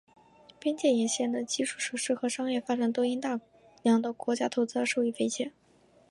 边界沿线的基础设施和商业发展都因大量的国家投资而受益匪浅。